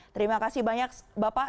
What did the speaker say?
terima kasih banyak bapak